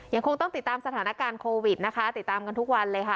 ยังคงต้องติดตามสถานการณ์โควิดนะคะติดตามกันทุกวันเลยค่ะ